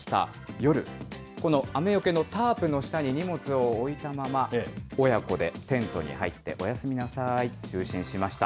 夜、この雨よけのタープの下に荷物を置いたまま、親子でテントに入って、おやすみなさい、就寝しました。